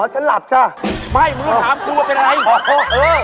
อ๋อฉันหลับจ้ะไม่มึงต้องถามครูว่าเป็นอะไร